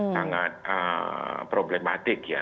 sangat problematik ya